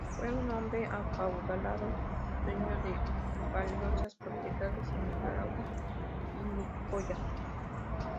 Fue un hombre acaudalado, dueño de valiosas propiedades en Nicaragua y Nicoya.